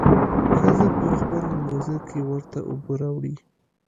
ښځه په خپله موزه کښې ورته اوبه راوړي.